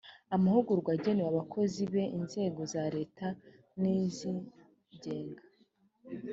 amahugurwa agenewe abakozi b inzego za leta n izigenga